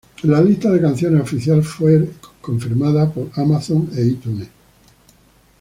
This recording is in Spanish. La lista de canciones oficial fueron confirmados por Amazon e iTunes